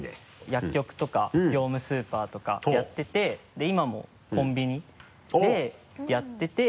薬局とか業務スーパーとかやっててで今もコンビニでやってて。